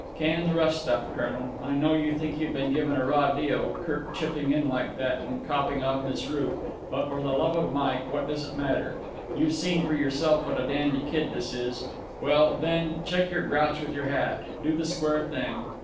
Can the rough stuff, colonel. I know you think you've been given a raw deal, Kirk chipping in like that and copping off Miss Ruth, but for the love of Mike, what does it matter? You seen for yourself what a dandy kid this is. Well, then, check your grouch with your hat. Do the square thing.